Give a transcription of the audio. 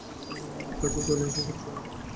কাছে চলে এসেছে সময়।